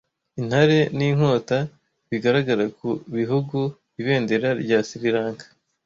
Intare n'inkota bigaragara ku bihugu ibendera rya Sri Lanka